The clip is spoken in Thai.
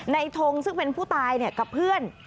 ในทงซึ่งเป็นผู้ตายเนี่ยกับเพื่อน